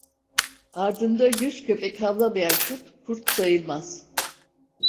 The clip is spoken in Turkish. Ardında yüz köpek havlamayan kurt, kurt sayılmaz.